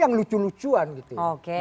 yang lucu lucuan gitu